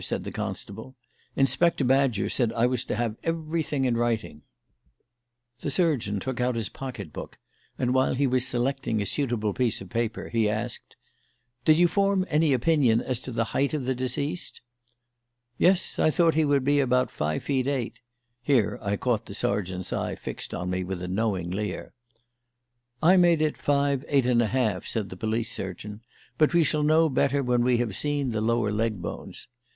said the constable. "Inspector Badger said I was to have everything in writing." The surgeon took out his pocket book, and, while he was selecting a suitable piece of paper, he asked: "Did you form any opinion as to the height of the deceased?" "Yes, I thought he would be about five feet eight" (here I caught the sergeant's eyes fixed on me with a knowing leer). "I made it five eight and a half," said the police surgeon; "but we shall know better when we have seen the lower leg bones.